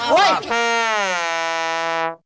ลิงกับช้างล่ะลิง